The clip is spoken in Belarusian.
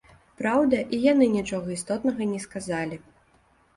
Праўда, і яны нічога істотнага не сказалі.